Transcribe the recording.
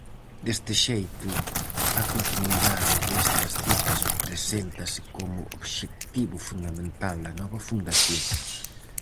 Deste xeito, a continuidade destas citas preséntase como obxectivo fundamental da nova fundación.